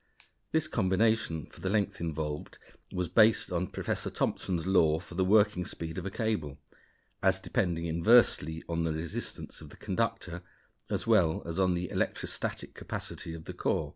This combination for the length involved was based on Professor Thomson's law for the working speed of a cable, as depending inversely on the resistance of the conductor as well as on the electrostatic capacity of the core.